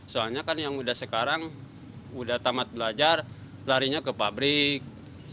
soalnya kan yang udah sekarang udah tamat belajar larinya ke pabrik